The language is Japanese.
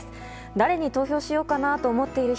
誰に投票しようかと思っている人。